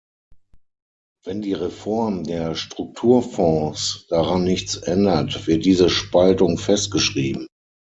Wenn die Reform der Strukturfonds daran nichts ändert, wird diese Spaltung festgeschrieben.